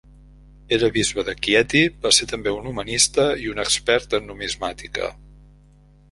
Era bisbe de Chieti, va ser també un humanista i un expert en numismàtica.